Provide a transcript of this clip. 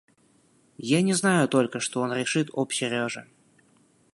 Я не знаю только, что он решит об Сереже.